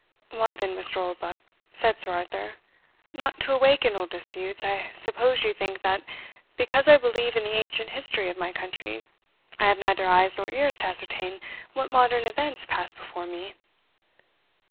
"Why then, Mr. Oldbuck," said Sir Arthur, "not to awaken old disputes, I suppose you think, that because I believe in the ancient history of my country, I have neither eyes nor ears to ascertain what modern events pass before me?"